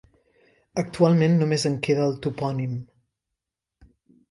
Actualment només en queda el topònim.